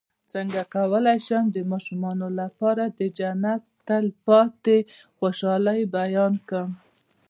څنګه کولی شم د ماشومانو لپاره د جنت د تل پاتې خوشحالۍ بیان کړم